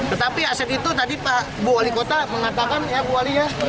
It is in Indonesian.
tetapi aset itu tadi pak bu wali kota mengatakan ya bu wali ya